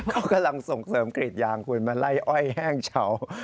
เขากำลังส่งเสริมกรีดยางคุณมาไล่อ้อยแห้งเฉา